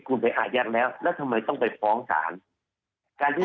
เพราะถ้าอายัดล้านี้ก็คืนจบแล้วไม่ต้องไปต้องห่วงแล้ว